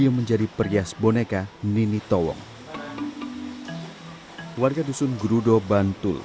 pake ala pake ala rola rola pindah kau